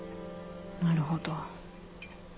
なるほど。